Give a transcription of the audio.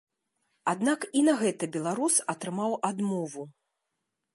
Аднак і на гэта беларус атрымаў адмову.